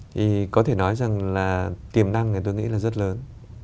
thì có thể nói rằng là tiềm năng này tôi nghĩ là rất lớn